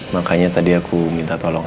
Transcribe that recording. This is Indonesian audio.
makanya tadi aku minta tolong